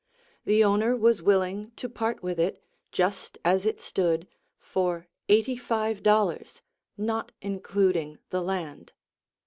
The owner was willing to part with it, just as it stood, for eighty five dollars, not including the land.